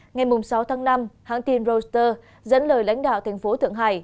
ngày sáu tháng năm hãng tin roadster dẫn lời lãnh đạo tp thượng hải